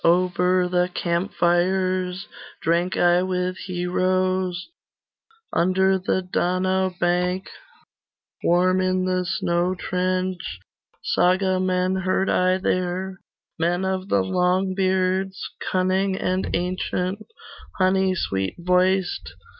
Over the camp fires Drank I with heroes, Under the Donau bank Warm in the snow trench, Sagamen heard I there, Men of the Longbeards, Cunning and ancient, Honey sweet voiced.